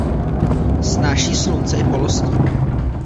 Snáší slunce i polostín.